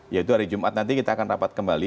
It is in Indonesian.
yaitu hari jumat nanti kita akan rapat kembali